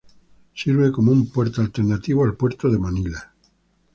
Sirve como un puerto alternativo al puerto de Manila.